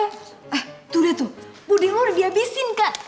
eh tuh dia tuh buding lo udah dihabisin kak